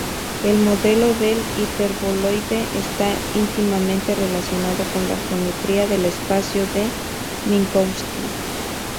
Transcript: El modelo del hiperboloide está íntimamente relacionado con la geometría del espacio de Minkowski.